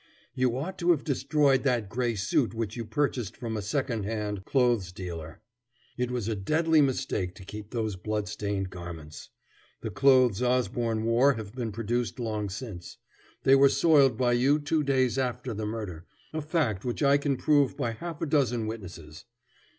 "You ought to have destroyed that gray suit which you purchased from a second hand clothes dealer. It was a deadly mistake to keep those blood stained garments. The clothes Osborne wore have been produced long since. They were soiled by you two days after the murder, a fact which I can prove by half a dozen witnesses.